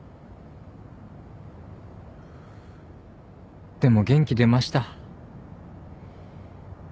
でも元気出ました。